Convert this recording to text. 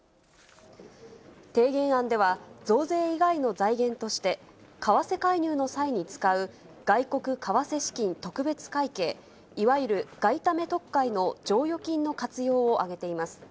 提言案では、増税以外の財源として、為替介入の際に使う、外国為替資金特別会計、いわゆる外為特会の剰余金の活用を挙げています。